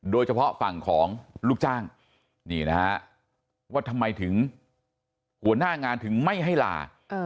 โดยเฉพาะฝั่งของลูกจ้างนี่นะฮะว่าทำไมถึงหัวหน้างานถึงไม่ให้ลา